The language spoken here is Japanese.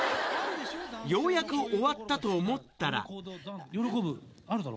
ようやく終わったと思ったらあるだろ？